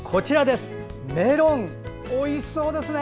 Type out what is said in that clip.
メロン、おいしそうですね。